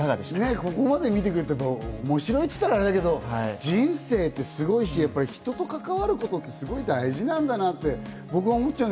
ここまで見てくると、面白いって言ったらあれだけど、人生ってすごいし人と関わることってすごく大事なんだなって僕は思っちゃう。